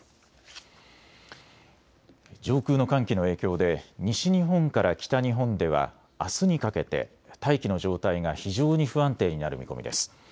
上空の寒気の影響で西日本から北日本ではあすにかけて大気の状態が非常に不安定になる見込みです。